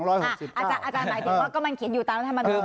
อาจารย์หมายถึงว่าก็มันเขียนอยู่ตามรัฐมนุน